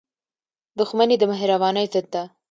• دښمني د مهربانۍ ضد ده.